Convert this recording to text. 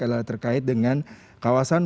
adalah terkait dengan kawasan